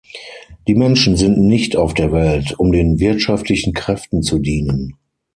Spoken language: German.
Die Menschen sind nicht auf der Welt, um den wirtschaftlichen Kräften zu dienen.